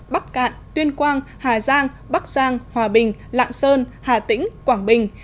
bắc cạn tuyên quang hà giang bắc giang hòa bình lạng sơn hà tĩnh quảng bình